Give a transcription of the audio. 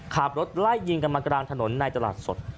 ขับรถไล่ยิงกันมากลางถนนในตลาดสด